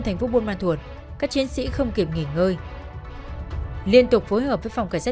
thành phố buôn ma thuột các chiến sĩ không kịp nghỉ ngơi liên tục phối hợp với phòng cảnh sát